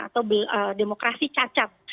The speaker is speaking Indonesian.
atau demokrasi cacat